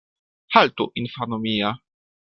Haltu, infano mia.